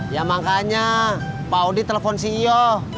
ya makanya pak odi telepon si iyo